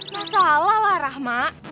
masalah lah rahma